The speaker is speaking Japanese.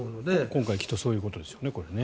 今回きっとそういうことですよね。